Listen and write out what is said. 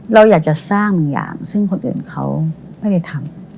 เราอยากจะสร้างบางอย่างซึ่งคนอื่นเขาไม่ได้ทำ